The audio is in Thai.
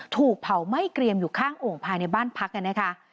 ถูกเผาไหม้เกรียมอยู่ข้างโอ่งภายในบ้านพักนะคะ